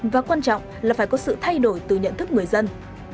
và quan trọng là phải có sự thay đổi từ nhận thức người dân